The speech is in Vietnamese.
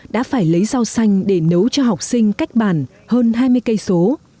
đã phải lấy rau xanh để nấu cho học sinh cách bàn hơn hai mươi cây số